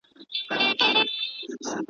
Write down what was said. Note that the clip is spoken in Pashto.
څو په نوم انسانيت وي ,